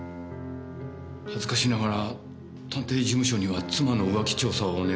恥ずかしながら探偵事務所には妻の浮気調査をお願いしていました。